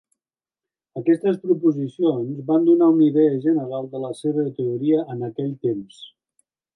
Aquestes proposicions van donar una idea general de la seva teoria en aquell temps.